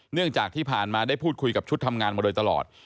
เนื่องจากที่ผ่านมาได้พูดคุยกับชุดทำงานมาโดยตลอด